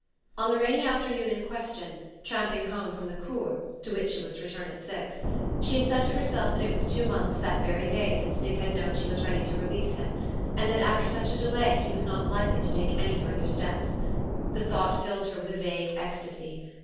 On the rainy afternoon in question, tramping home from the "cours" (to which she was to return at six), she had said to herself that it was two months that very day since Nick had known she was ready to release him and that after such a delay he was not likely to take any further steps. The thought filled her with a vague ecstasy.